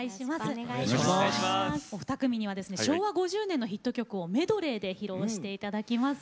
お二組には昭和５０年のヒット曲をメドレーで披露していただきます。